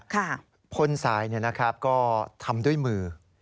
คนสายก็ทำด้วยมือ